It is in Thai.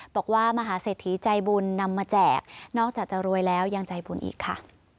บอกว่ามหาเศรษฐีใจบุญนำมาแจกนอกจากจะรวยแล้วยังใจบุญอีกค่ะ